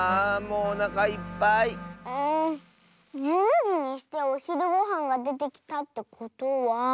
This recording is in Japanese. うん１２じにしておひるごはんがでてきたってことは。